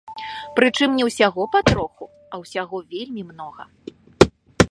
Прычым не ўсяго па троху, а ўсяго вельмі многа.